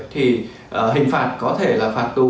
thì hình phạt có thể là phạt tù